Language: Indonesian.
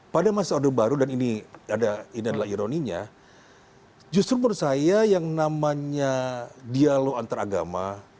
pada masa order baru dan ini adalah ironinya justru menurut saya yang namanya dialog antaragama